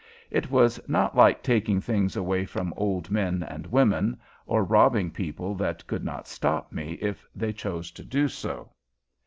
It was not like taking things away from old men and women or robbing people that could not stop me if they chose to do so.